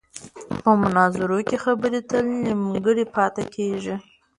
په مناظرو کې خبرې تل نیمګړې پاتې کېږي.